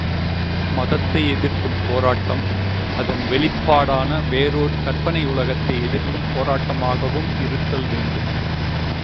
மதத்தை எதிர்க்கும் போராட்டம், அதன் வெளிப்பாடான வேறோர் கற்பனை உலகத்தை எதிர்க்கும் போராட்டமாகவும் இருத்தல் வேண்டும்.